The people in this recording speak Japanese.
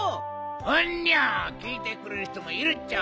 うんにゃきいてくれるひともいるっちゃ。